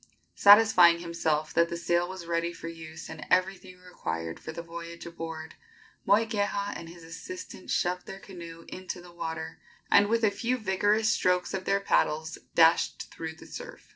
Satisfying himself that the sail was ready for use and everything required for the voyage aboard, Moikeha and his assistant shoved their canoe into the water, and with a few vigorous strokes of their paddles dashed through the surf.